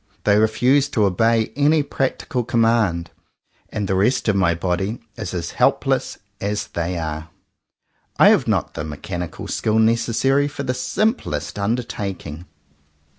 They refuse to obey any practical command; and the rest of my body is as helpless as they are. I have not the mechanical skill necessary for the simplest undertaking.